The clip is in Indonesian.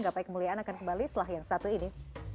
gapai kemuliaan akan kembali setelah yang satu ini